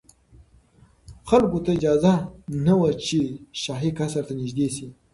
خلکو ته اجازه نه وه چې شاهي قصر ته نږدې شي.